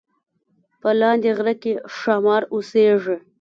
په لاندې غره کې ښامار اوسیږي